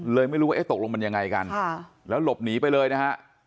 ไม่รู้ว่าเอ๊ะตกลงมันยังไงกันแล้วหลบหนีไปเลยนะฮะ